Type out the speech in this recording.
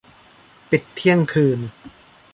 ปิดเที่ยงคืน